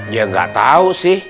dia gak tau sih